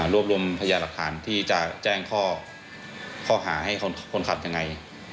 รวมรวมพยาหลักฐานที่จะแจ้งข้อหาให้คนขับยังไง